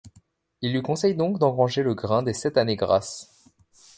Il lui conseille donc d'engranger le grain des sept années grasses.